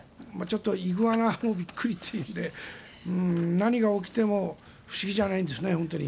ちょっとイグアナもびっくりというので何が起きても不思議じゃないんですね。